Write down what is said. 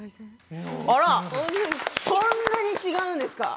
そんなに違うんですか？